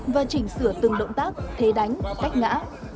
và chỉnh sửa từng động tác thế đánh cách ngã